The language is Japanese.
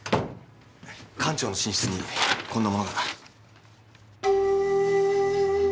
館長の寝室にこんなものが。